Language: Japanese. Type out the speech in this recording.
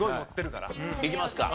いきますか。